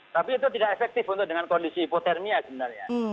tapi itu tidak efektif untuk dengan kondisi hipotermia sebenarnya